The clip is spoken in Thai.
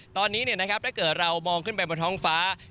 ตอนนี้ถ้าเกิดเรามองขึ้นไปบนท้องฟ้า